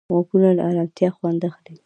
غوږونه له ارامتیا خوند اخلي